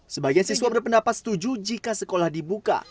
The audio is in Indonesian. sebagian siswa berpendapat setuju jika sekolah dibuka